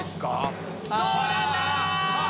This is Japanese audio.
どうなんだ